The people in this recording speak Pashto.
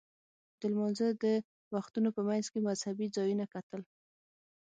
د لمانځه د وختونو په منځ کې مذهبي ځایونه کتل.